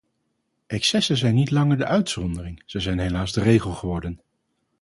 Excessen zijn niet langer de uitzondering, zij zijn helaas de regel geworden.